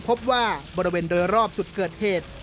พบว่าบริเวณโดยรอบจุดเกิดเหตุ